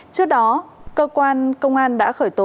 trước đó cơ quan công an đã khởi tố